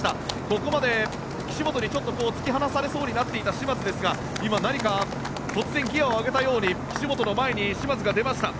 ここまで岸本に突き放されそうになっていた嶋津ですが今、何か突然ギアを上げたように嶋津が出ました。